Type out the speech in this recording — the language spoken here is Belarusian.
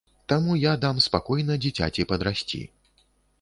Таму я дам спакойна дзіцяці падрасці.